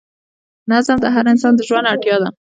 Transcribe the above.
نظم د هر انسان د ژوند اړتیا ده.